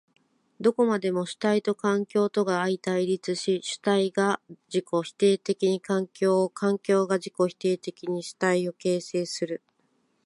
どこまでも主体と環境とが相対立し、主体が自己否定的に環境を、環境が自己否定的に主体を形成する。